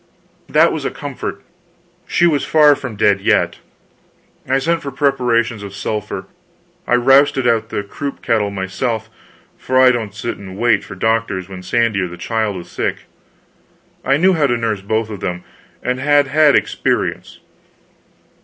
That was a comfort. She was far from dead yet. I sent for preparations of sulphur, I rousted out the croup kettle myself; for I don't sit down and wait for doctors when Sandy or the child is sick. I knew how to nurse both of them, and had had experience.